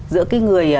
giữa cái người